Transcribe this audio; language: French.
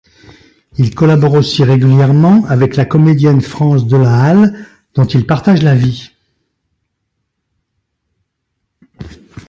Il collabore aussi régulièrement avec la comédienne France Delahalle dont il partage la vie.